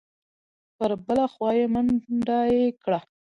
پر بله خوا منډه یې کړه.